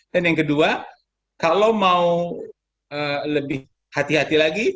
dan yang kedua kalau mau lebih hati hati lagi